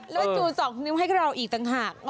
แล้วจู๒นิ้วให้เราอีกต่างหาก